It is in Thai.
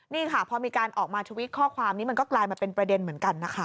นี่ค่ะพอมีการออกมาทวิตข้อความนี้มันก็กลายมาเป็นประเด็นเหมือนกันนะคะ